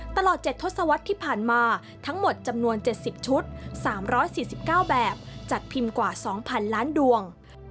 ตลอด๗ทศวรรษที่ผ่านมาทั้งหมดจำนวน๗๐ชุด๓๔๙แบบจัดพิมพ์กว่า๒๐๐๐ล้านดวง